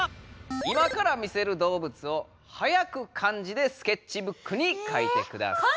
今から見せる動物を早く漢字でスケッチブックに書いてください。